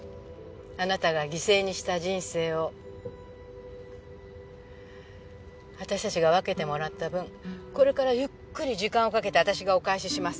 あなたが犠牲にした人生を私たちが分けてもらった分これからゆっくり時間をかけて私がお返しします。